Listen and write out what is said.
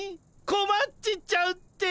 こまっちちゃうって。